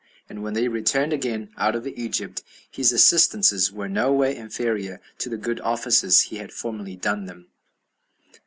And when they returned again out of Egypt, his assistances were no way inferior to the good offices he had formerly done them.